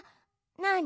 なに？